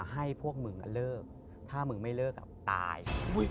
ให้พวกมึงเลิกถ้ามึงไม่เลิกตาย